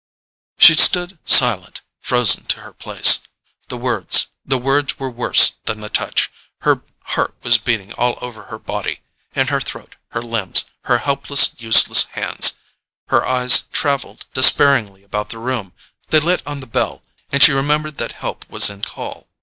She stood silent, frozen to her place. The words—the words were worse than the touch! Her heart was beating all over her body—in her throat, her limbs, her helpless useless hands. Her eyes travelled despairingly about the room—they lit on the bell, and she remembered that help was in call.